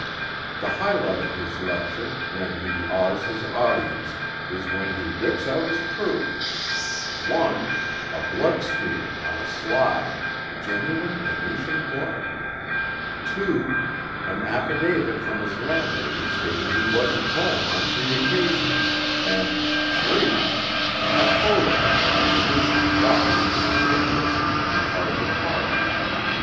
The highlight of his lecture, when he awes his audience, is when he whips out his proof: (1) a blood smear on a slide genuine Venusian blood, (2) an affidavit from his landlady stating he wasn't home on three occasions, and (3) a photo of a Venusian walking in Los Angeles' McArthur Park.